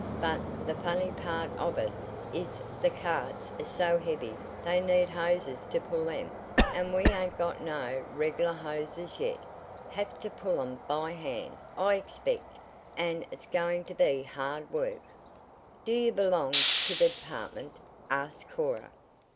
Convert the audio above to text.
But th' funny part of it is that th' carts is so heavy they need hosses t' pull 'em, and we ain't got no reg'lar hosses yet. Have t' pull 'em by hand, I expect, an' it's goin' t' be hard work." "Do you belong to the department?" asked Cora.